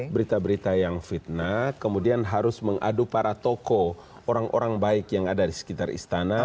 berita berita yang fitnah kemudian harus mengadu para tokoh orang orang baik yang ada di sekitar istana